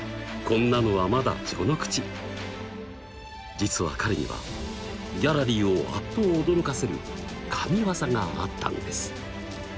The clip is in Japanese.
実は彼にはギャラリーをあっと驚かせる神業があったんです。